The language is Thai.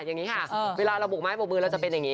อย่างนี้ค่ะเวลาเราบกไม้บกมือเราจะเป็นอย่างนี้